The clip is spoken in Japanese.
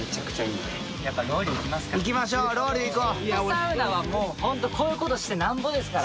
サウナはこういうことしてなんぼですから。